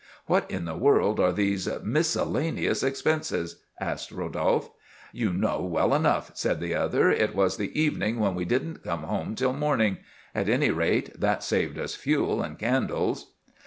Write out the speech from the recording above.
"What in the world are these miscellaneous expenses?" asked Rodolphe. "You know well enough," said the other. "It was the evening when we didn't come home till morning. At any rate, that saved us fuel and candles."